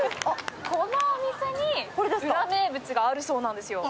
このお店にウラ名物があるそうなんですよ。